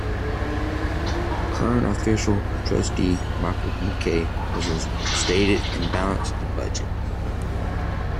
Current Official Trustee Michael McKay was instated and balanced the budget.